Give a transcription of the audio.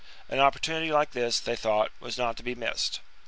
An opportunity like this, they thought, was not to be missed.